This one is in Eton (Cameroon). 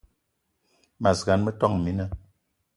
Mas gan, metόn mina